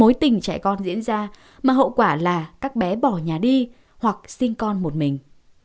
mối tình trẻ con diễn ra mà hậu quả là các bé bỏ nhà đi hoặc sinh con một mình